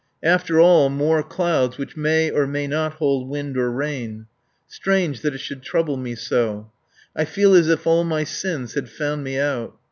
After all, mere clouds, which may or may not hold wind or rain. Strange that it should trouble me so. I feel as if all my sins had found me out.